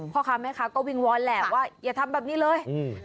พ่อค้าแม่ค้าก็วิงวอนแหละว่าอย่าทำแบบนี้เลย